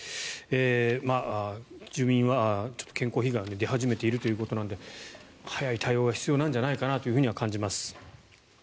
住民は健康被害が出始めているということなので早い対応が必要なんじゃないかなとは感じます。